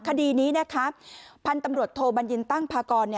คดีนี้นะคะพันธุ์ตำรวจโทบัญญินตั้งพากร